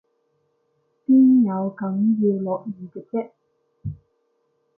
邊有梗要落雨嘅啫？